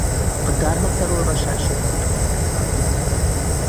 A dharma-felolvasások öt hónapig tartottak.